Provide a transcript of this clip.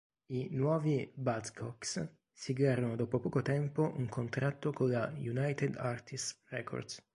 I "nuovi" Buzzcocks siglarono dopo poco tempo un contratto con la United Artists Records.